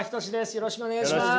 よろしくお願いします。